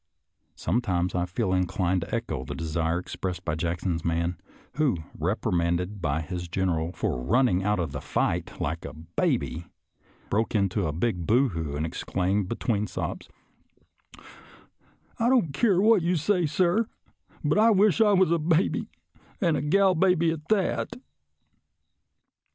Sometimes I feel inclined to echo the desire expressed by Jackson's man, who, reprimanded by his General for running out of the fight " like a baby," broke into a big boohoo and exclaimed between sobs: " I don't care what you say, sir, but I wish I was a baby, and a gal baby at that